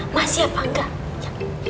masih apa enggak